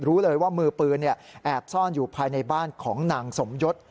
รู้เลยว่ามือปืนแอบซ่อนอยู่ภายในบ้านของนางสมยศ